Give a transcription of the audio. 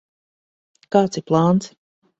Kāds ir plāns?